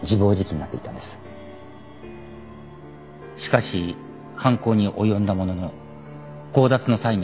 しかし犯行に及んだものの強奪の際に相手に見つかった。